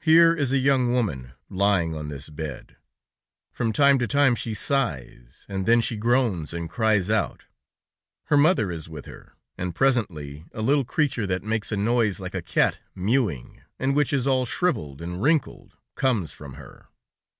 "Here is a young woman lying on this bed. From time to time she sighs, and then she groans and cries out; her mother is with her, and presently a little creature that makes a noise like a cat mewing, and which is all shriveled and wrinkled, comes from her.